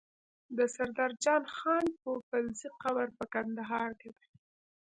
د سردار جان خان پوپلزی قبر په کندهار کی دی